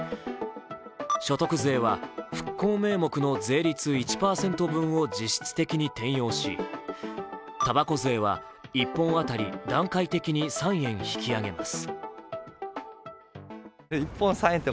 所得税は復興名目の税率１％分を実質的に転用したばこ税は１本当たり段階的に３円引き上げます。